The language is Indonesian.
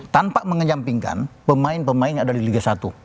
tanpa mengenyampingkan pemain pemain yang ada di liga satu